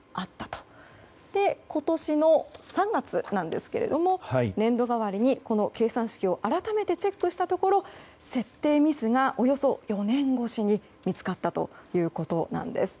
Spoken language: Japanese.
そして今年の３月ですが年度替わりにこの計算式を改めてチェックしたところ設定ミスが、およそ４年越しに見つかったということなんです。